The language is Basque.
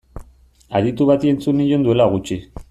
Aditu bati entzun nion duela gutxi.